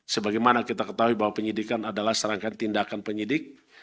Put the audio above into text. sebagaimana kita ketahui bahwa penyidikan adalah serangkai tindakan penyidik